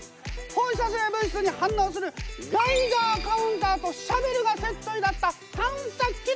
放射性物質に反応するガイガーカウンターとシャベルがセットになった探索キット！